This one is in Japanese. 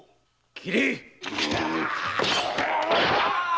斬れ！